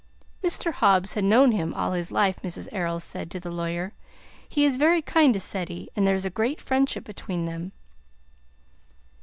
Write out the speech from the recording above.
"Mr. Hobbs has known him all his life," Mrs. Errol said to the lawyer. "He is very kind to Ceddie, and there is a great friendship between them."